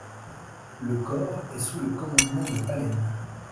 Le Corps est sous le commandement de Pahlen.